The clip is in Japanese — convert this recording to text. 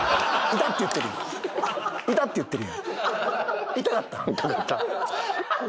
「痛っ！」って言ってる。